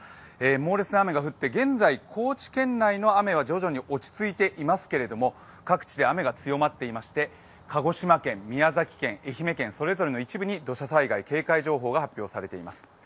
猛烈な雨が降って、現在高知県内の雨は徐々に落ち着いてきていますが、各地で雨が強まっていまして鹿児島県、宮崎県愛媛県それぞれの一部に土砂災害警戒情報が発表されています。